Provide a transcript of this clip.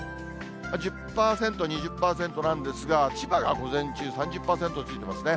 １０％、２０％なんですが、千葉が午前中３０％ついてますね。